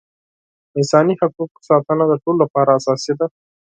د انساني حقونو ساتنه د ټولو لپاره اساسي ده.